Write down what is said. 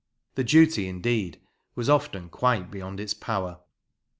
The duty, indeed, was often quite beyond its power.